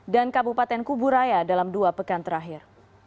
dan kabupaten kuburaya dalam dua pekan terakhir